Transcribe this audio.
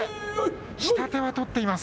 下手は取っています。